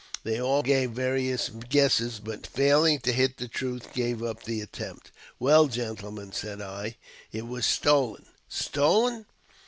They all gave various guesses, but^ failing to hit the truth, gave up the attempt. " Well, gentlemen," said I, "it was stolen." " Stolen